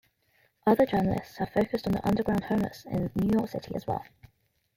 Other journalists have focused on the underground homeless in New York City as well.